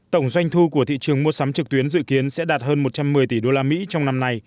tổng doanh thu của thị trường mua sắm trực tuyến dự kiến sẽ đạt hơn một trăm linh triệu đồng